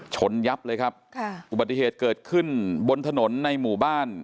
ยับเลยครับค่ะอุบัติเหตุเกิดขึ้นบนถนนในหมู่บ้าน